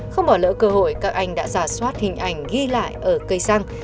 không bỏ lỡ cơ hội các anh đã giả soát hình ảnh ghi lại ở cây xăng